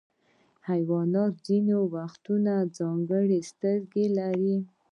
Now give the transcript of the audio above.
حیوانات ځینې وختونه ځانګړي سترګې لري.